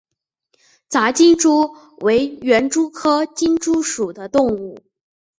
杂金蛛为园蛛科金蛛属的动物。